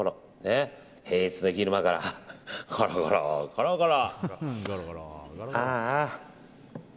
平日の昼間からコロコロコロコロ。